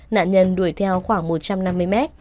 nạn nhân đuổi theo khoảng một trăm năm mươi mét